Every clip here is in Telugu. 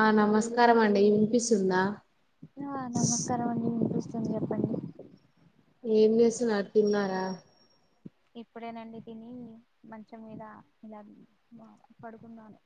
ఆ నమస్కారం అండి ఇనిపిస్తుందా ఆ నమస్కారం అండి వినిపిస్తుంది చెప్పండి ఏం చేస్తున్నారు తన్నారా ఇప్పుడేనండి తిని మంచం మీద ఇలా పడుకున్నాను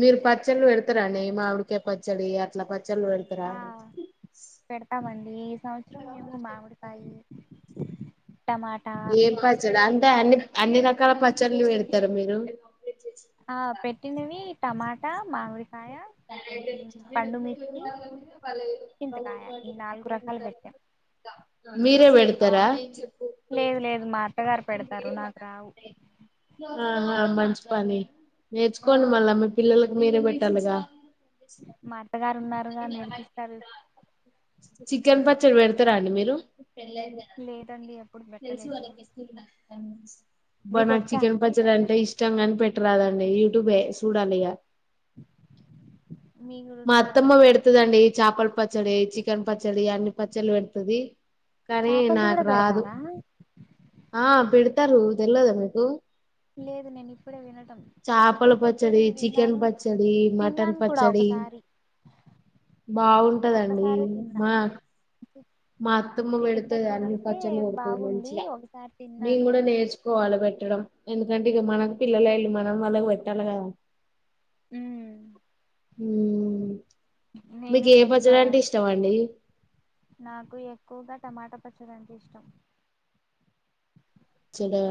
మీరు పచ్చళ్ళు పెడతారాండి మావిడికాే పచ్చడి అట్లా పచ్చళ్ళు పెడతారా ఆ పెడతామండి ఈ సంవత్సరం మేము మామిడికాయి టమాట ఏం పచ్చడ అంటే అన్ని అన్ని రకాల పచ్చళ్లు పెడతారు మీరు ఆ పెట్టిందివి టమాటా మామిడికాయ పండుమిర్చి చింతకాయ ఈ నాలుగు రకాలు పెట్టాం [inaudible] మీరే పెడతారా లేదు లేదు మా అత్తగారు పెడతారు నాకు రావు ఆహా మంచి పని నేర్చుకోండి మా మళ్ళా మీ పిల్లలకి మీరే పెట్టాలిగా మా అత్తగారు ఉన్నారుగా నేర్పిస్తారు చికెన్ పచ్చడి పెడతారా అండి మీరు లేదండి ఎప్పుడు తెలుసుగా పెట్టలేదు [inaudible] అ అబ్బా మీకు నాకు వచ్చా చికెన్ అండి పచ్చడ అంటే పెట్టడం ఇష్టంగాని పెట్టరాదండి యూట్యూబే చూడాలి ఇగ మీరు మా అత్తమ్మ పెడతదండి చేపల పచ్చడి చికెన్ పచ్చడి అన్ని పచ్చళ్ళ పెడుతది కానీ చేపలది నాకు కూడా రాదు పెడతారా ఆ పెడతారు తెలయదా మీకు లేదు నేను ఇప్పుడే వినటం చేపల చికెన్ పచ్చడి చికెన్ విన్నాను పచ్చడి మటన్ తిన్నాను కూడా పచ్చడి ఒకసారి బాగుంటదండి మా ఓే [inaudible] మా అత్తమ్మ పెడుతాది అన్ని పచ్చలు పెడుతాది బాగుంది మంచిగా. ఒకసారి నేను తిన్నాను కూడా నేర్చు కోవాలి పెట్టడం ఎందుకంటే ఇక మనకి పిల్లలు వెళ్ళి మనం వాళ్ళకి పెట్టాలి కదా మ్ నేను మీకు ఏ పచ్చడి అంటే నేర్చుకోవాలి ఇష్టం? ఇష్టమండి. నాకు ఎక్కువగా టమాటా పచ్చడింటే ఇష్టం. పచ్చడా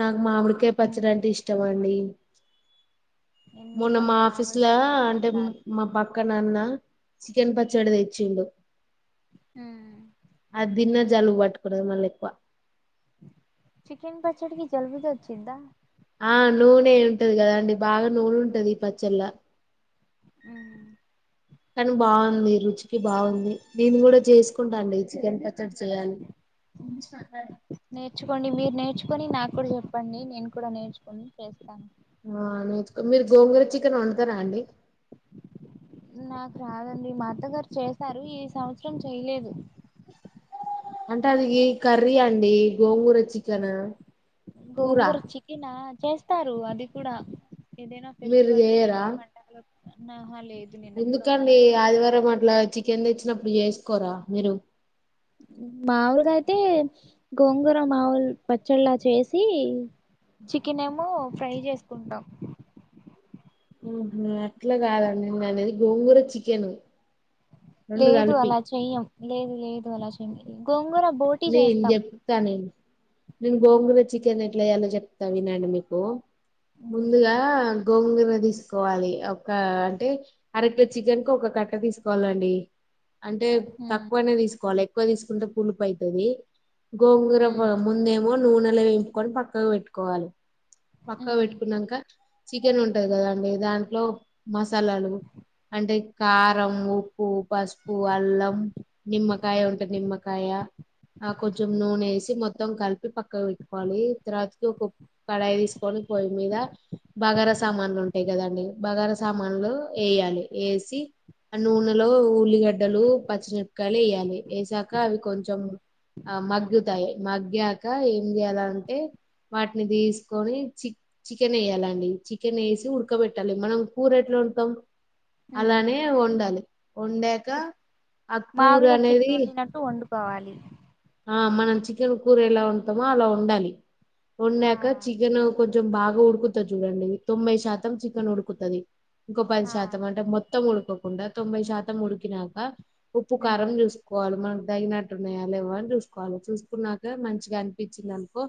నాకు మామిడికాయ పచ్చడి అంటే ఇష్టమ అండి. మొన్న ఎందుకో మా నాకు ఆఫీసు లో మామిడికాయ తినబుద్ధి అంటే కాదు మా పక్క న అన్న చికెన్ పచ్చడి తెచ్చిండు. మ్ ఆది తిన్నా జలుబు పట్టుకున్నది మళ్ళీ ఎక్కువ. చికెన్ పచ్చడికి జలుబు. వచ్చిందా? ఆ నూనె ఉంటది కదా అండి బాగా నూనె ఉంటది ఈ పచ్చల్లో మ్ ఉ కానీ బాగుంది రుచికి బాగుంది నేను కూడా చేసుకుంటా అండి చికెన్ పచ్చడి. చేయాలి. నేర్చుకోండి మీరు నేర్చుకొని నాకు కూడా చెప్పండి నేను కూడా నేర్చుకుని చేస్తాను. ఆ మీరు గోంగూర చికెన్ వండుతారా అండి నాకు రాదండి మా అత్తగారు చేశారు. ఈ సంవత్సరం చేయలేదు. అంటే అది కర్రీ అండి గోంగూర చికెన్. కూర గోంగూర చేసినా చేస్తారు అది కూడా. ఏదైనా మీరు ఫెస్టివల్స్ కి, చేయరా పండగల కు నా హాలిడే లేదు. నేను ఎప్పుడు ఎందుకండి వండలే ఆదివారం అట్లా చికెన్ తెచ్చినప్పుడు చేసుకోరా మీరు? మావులుగా అయితే గోంగూర మామూలు గా పచ్చళ్ళ చేసి చికెన్ ఏమో ఫ్రై చేసుకుంటాం. ఆహ, అట్లా కాదండి నేను అనేది గోంగూర చికెన్. రెండు లేదు కలిపి అలా చెయ్యము. లేదు లేదు అలా చెయ్యము గోంగూర బోటి నేను చెప్తా నేను. నేను గోంగూర చికెన్ ఎట్లా చెయ్యాలో చెప్తా వినండి మీకు. ముందుగా చెప్పండి గోంగర తీసుకోవాలి ఒకటి అరకిలో కి చికెన్ కు ఒక కట్ట తీసుకోవాలండి. అంటే ఉమ్ తక్కువనే తీసుకోవాలి ఎక్కువ తీసుకుంటే పులుపు అవుతాది. గోంగర ఉమ్ ముందేమో నూనెలో వేంపుకొని పక్కకు పెట్టుకోవాలి. పక్కకు ఉమ్ పెట్టుకున్నాక చికెన్ ఉంటది కదాండి దాంట్లో మసాలాలు అంటే కారం, ఉప్పు, పసుపు, అల్లం. నిమ్మకాయ ఉంటే నిమ్మకాయ ఆ కొంచెం నూనె వేసి మొత్తం కలిపి పక్కకు పెట్టుకోవాలి. తర్వాతికి కడాయి తీసుకొని పొయ్యి మీద బగారా సామాన్లు ఉంటాయి కదండి. బగారా సామాన్లు వేయాలి. వేసి ఆ నూనెలో ఉల్లిగడ్డలు పచ్చిమిరపకాయలు వేయ్యాలి. వేసాక అవి కొంచెం ఆ మగ్గుతాయి మగ్గాక ఏం చేయాలంటే వాటిని తీసుకొని చికెన్ వేయాలండి చికెన్ వేసి ఉడకబెట్టాలి. మనం కూర ఎట్లా ఉడకబెడతాం ఉమ్ అలానే వండాలి. వండాక ఆ కూర మాములుగా అనేది చికెన్ వండినట్టు వండుకోవాలి ఆ మనం చికెన్ కూర ఎలా వండుతామో అలా వండాలి. అలా ఆ వండాకా చికెన్ కొంచెం బాగా ఉడుకుతాది చూడండి. తొంభై శాతం చికెన్ ఉడుకుతాది. ఇంకో పది ఆ శాతం అంటే మొత్తం ఉడకకుండా తొంభై శాతం ఉడికినాక ఉప్పు ఉమ్ కారం చూస్ కోవాలి మనకు తగినట్టున్నాయా లేవా అని చూసుకోవాలి చూసుకున్నాక మంచిగా అనిపించింది అనుకో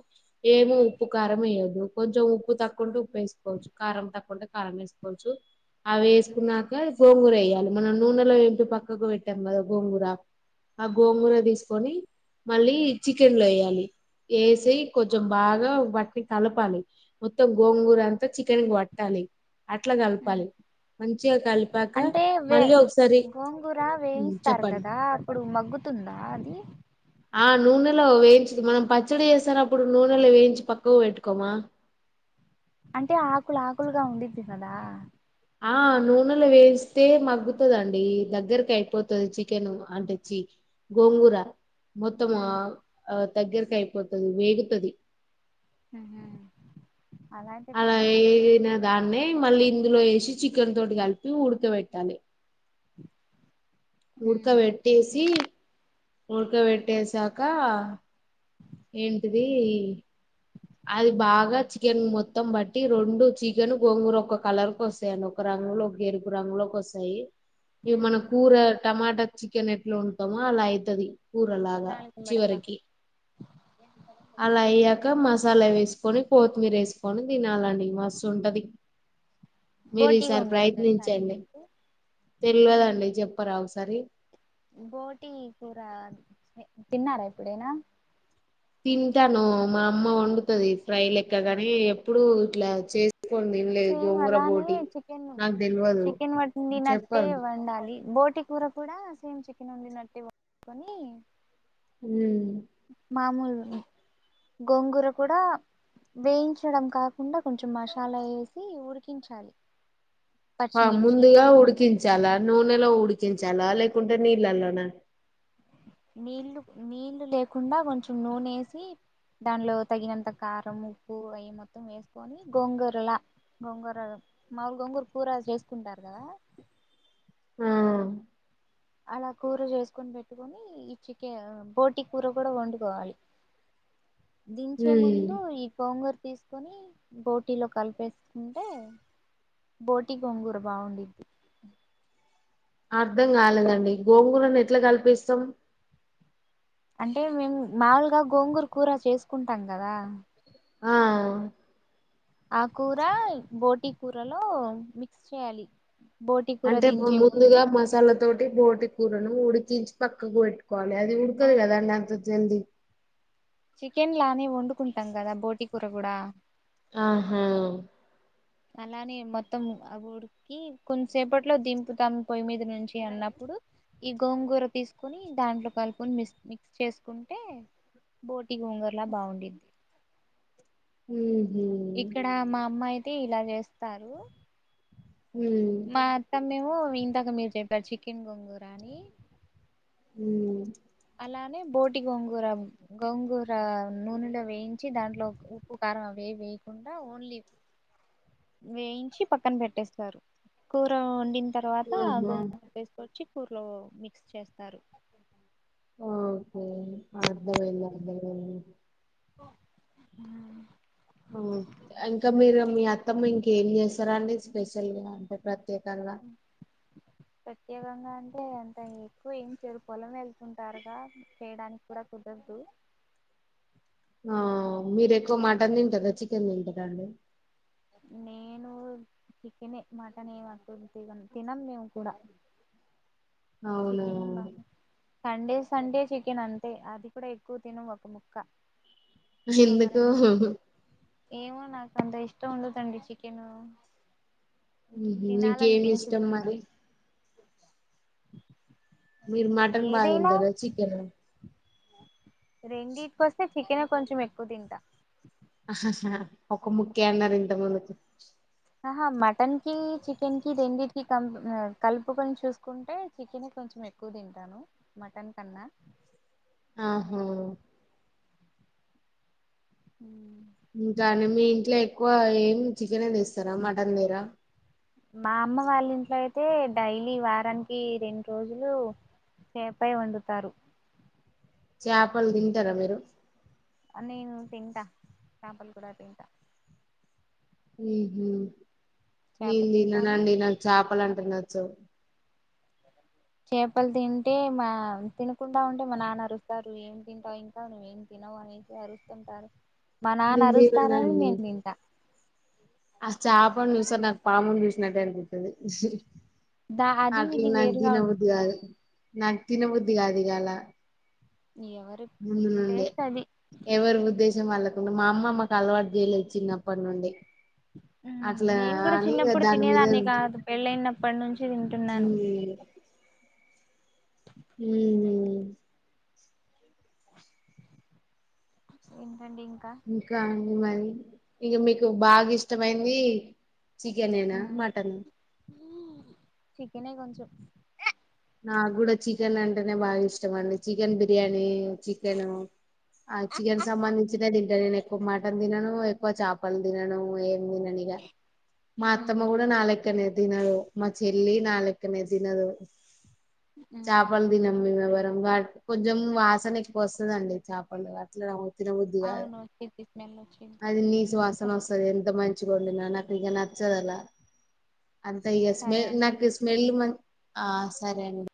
ఏమో ఉప్పు కారం వేయొద్దు కొంచెం ఉప్పు తక్కువుంటే ఉప్పు వేసుకోవచ్చు కారం తక్కువుంటే కారం వేసుకోవచ్చు కొంచం అవి వేసుకున్నాక గోంగూర వేయాలి మనం నూనెలో ఏంటి పక్కకు పెట్టాం కదా గోంగూర ఆ గోంగూర తీసుకొని మళ్ళీ చికెన్ లో వేయాలి వేసి కొంచెం బాగా వాటిని కలపాలి మొత్తం గోంగూర అంతా చికెన్ కి వట్టాలి అట్లా ఉమ్ కాల్పాలి అంటే వే ఒకసారి గోంగూర ఉమ్, వేయిస్తారు చెప్పండి కదా ఇప్పుడు మగ్గుతుందా అది ఆ నూనెలో వేయించిది మనం పచ్చడి వేసనప్పుడు నూనెలో వేయించి పక్కకు పెట్టుకోమా అంటే ఆకులు ఆకులుగా ఉండిద్ది కదా ఆ నూనెలు వేస్తే మగ్గుతుదండి దగ్గరకి అయిపోతది చికెన్ అంటే చి గోంగూర మొత్తం ఆ దగ్గరికి అయిపోతది వేడికి అది ఉహ అలా వేసిన దాన్నే మళ్ళీ ఇందులో వేసి చికెన్ తోటి కలిపి ఉడకబెట్టాలి ఉమ్ ఉడకబెట్టేసి ఉడకబెట్టేసాక ఏంటిది అది బాగా చికెన్ మొత్తం బట్టి రెండు చికెన్ గోంగూర ఒక కలర్ కు వస్తాయి అన్ ఒక రంగులో ఒక ఎరుపు రంగులోకి వస్తాయి ఇవి మన ఉమ్ కూర టమాటా చికెన్ ఎట్లా ఉంటామో అలా అయితది కూర లాగా లాలికం బడబ్బా చివరికి అలా అయ్యాక మసాలా వేసుకొని కొత్తిమీర వేసుకొని తినాలండి మస్త ఉంటది మీరు బోటి ఈసారి గోంగూర తెలుసా ప్రయత్నించండి అండి? తెలియలేదండి చెప్పరా ఒకసారి బోటి కూర తిన్నారా ఎప్పుడైనా తింటాను మా అమ్మ వండుతది ఫ్రై లెక్కగాని ఎప్పుడు ఇట్లా చేసి సేమ్ అలానే చికెను నాకు తెల్వదు చికెన్ వండినట్టే చెప్పరు వండాలి బోటి కూర కూడా సేమ్ చికెన్ వండినట్టే వండుకొని ఉమ్ మామలు గోంగూర కూడా వేయించడం కాకుండా కొంచెం మాశాలా వేసి ఉడికించాలి మా పచ్చిమిర్చి అమ్ముండి గా ఉడికించాలా నూనెలో ఉడికించాలా లేకుంటే నీళ్ళల్లోన నీళ్లు నీళ్ళు లేకుండా కొంచెం నూనె వేసి దానిలో తగినంత కారం ఉప్పు అవి మొత్తం వేసుకొని గోంగూరలా గోంగూరల మాములు గొంగూర కూర చేసుకుంటారు కదా ఆ అలా కూర చేసుకొని పెట్టుకని ఈ చికె బోటి కూర కూడా వండుకోవాలి దించే ఉమ్ ముందు ఈ గోంగూర తీస కొని బోటీలో కలిపేసుకుంటే బోటి గంగూర బాగుండ్డిది అర్ధం కాలేదండి గోంగూరను ఎట్లా కల్పిస్తాం అంటే మేము మాముూలుగా గోంగూర కూర చేసుకుంటాం కదా ఆ ఆ కూర బోటి కూరలో మిక్స్ చేయాలి బోటి కూర దించే ముందు తల్ల తోటి బోటి కూరను ఉడికించి పక్కకు పెట్టుకోవాలి అది ఆ ఉడకదు కదా నాకు తెల్దు చికెన్ లానే వండుకుంటం కదా బోటి కూర కూడా ఆహా అలానే మొత్తం ఆ ఉడు కి కొన్సేపట్లో దింపుతం పొయ్యి మీద నుంచి అన్నప్పుడు ఈ గోంగూర తీసుకుని దాంట్లో కలుపుకొని మిక్స్ మిక్స్ చేసుకుంటే బోటి గోంగూరల బాగుంటిద్ది ముహు ఇక్కడ మా అమ్మా అయితే ఇలా చేస్తారు ము మా అత్తమ్మ ఏమో ఇందాక మీరు చెప్పారు చికెన్ గోంగూర అని ము అలానే బోటి గోంగూర గోంగూర నూనెలో వేయించి దాంట్లో ఉప్పు కారం అవే వేయకుండా ఓన్లీ ప వేయించి పక్కన పెట్టేస్తారు కూర వండి తర్వాత ఆహా గోంగూర వేసుకొచ్చి కూరలో మిక్స్ చేస్తారు ఆ ఓకే అర్థమయింది అర్థమయింది ఆ ఇంకా మీరు మీ అత్తమ్మ ఇంకేం చేస్తారండి స్పెషల్గా అంటే ప్రత్యేకంగా ప్రత్యేకంగా అంటే అంత ఎక్కువ ఏం చేయరు పొలం వెళ్తుంటారుగా చేయడానికి కూడా కుదరదు ఆ మీర ఎక్కువ మటన్ తింటారా చికెన్ తింటరా అండి నేను చికెనే మటన్ ఏం అసలు తినం తినం మేము కూడా అవునా చికెన్ బాగా సండే సండే చికెన్ అంతే అది కూడా ఎక్కువ తినం ఒక ముక్క ఒక ఎందుకు రెండు ఏమో నాకు అంత ఇష్టం ఉండదండి చికెను మీకేమి తినాలనిపించుదు ఇష్టం మరి మీరు మటన్ బా తింటరా చికెనా రెండికోస్తే చికెనే కొంచెం ఎక్కువ తింటా ఒక ముక్కే అన్నారు ఇంత ముందుకు ఆహా మటన్ కి చికెన్ కి రెండింటికి కం కలుపుకొని చూసుకుంటే చికెన్ కొంచెం ఎక్కువ క్కువ తింటాను మటన్ కన్నా ఆహా ము ఇంకానీ మీ ఇంట్లో ఎక్కువ ఏం చికెనే తెస్తరా మటన్ తెరా మా అమ్మ వాళ్ళ ఇంట్లో అయితే డైలీ వారానికి రెండు రోజులు చేపే వండుతారు చాపలు తింటరా మీరు నేను తింటా చాపలు కూడా తింటా ముహు చేప నేను తింటాను తిననండి నాకు చాపాలంటే నచ్చవ్ చేపలు తింటే మా తినకుంటా ఉంటే మా నాన్న అరుస్తారు ఏం తింటావు ఇంకా నువ్వేం తినవు అనేసి అరుస్తుంటారు మా నాన్న నేను అరుస్తారని నేను తింటా అ చేపను చూస్తే నాకు పామును చూసినట్టే అనిపిత్తది దా అది ఇది నాకు వేరుగా దినబుద్ధి ఉంటుందా కాదు నాకు తినబుద్ధి కాదు ఇయాల ఎవరు అవునండి ఎవరి ఉద్దేశం వాళ్ళకుండా మా అమ్మ మాకు అలవాటు చేయలేదు చిన్నప్పటి నుండి మ్ అట్లా నేను గుడా అని ఇగ చిన్నప్పుడు దాని మీద తినేదాన్ని కాదు పెళ్ళయినప్పటి నుంచి తింటున్నాను మ్మ్ మ్ ఏంటండి ఇంకా ఇంకా అండీ మరి ఇంక మీకు బాగా ఇష్టమైంది చికెనేనా మటన్ చికెన్ ఏ కొంచెం నాగ్గూడా చికెన్ అంటేనే బాగ ఇష్టం అండి చికెన్ బిర్యానీ చికెను ఆ చికెన్ సంబంధించిదే తింట నేను ఎక్కువ మటన్ తినను చాపల్ దినను ఏం దిననిగ మా అత్తమ్మ ఉమ్, కూ నాలెక్కనే దినదు మా చెల్లి ననాలెక్కనే దినదు ఉమ్, చాపలు దినం మేము ఎవరం వాట్ కొంచెం వాసన ఎక్కువ వస్తదండి చాపలు అట్లా తినబుద్ధి కాదు అవును వచ్చిద్ది స్మెల్ వచ్చిద్ది అది నీసు వాస్ వస్తది ఎంత మంచిగా వండినా నాకు ఇక నచ్చదలా అంతే ఇక సరే స్మెల్ అండి నాకు స్మెల్ మ ఆ సరే అండి